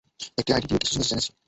একটা আইডি দিয়ে কিছু জিনিস জেনেছি।